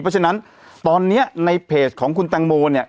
เพราะฉะนั้นตอนนี้ในเพจของคุณแตงโมเนี่ย